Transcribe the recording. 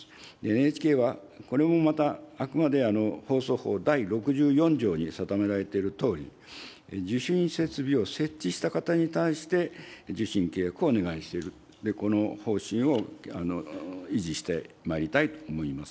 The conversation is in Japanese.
ＮＨＫは、これもまた、あくまで放送法第６４条に定められているとおり、受信設備を設置した方に対して、受信契約をお願いしている、この方針を維持してまいりたいと思います。